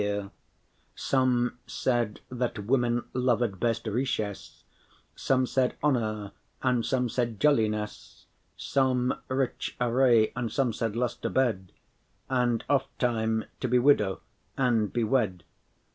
* *agreeing together* Some said that women loved best richess, Some said honour, and some said jolliness, Some rich array, and some said lust* a bed, *pleasure And oft time to be widow and be wed.